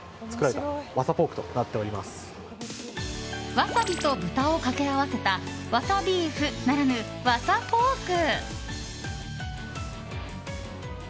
ワサビと豚をかけ合せたわさビーフならぬ、わさポーク！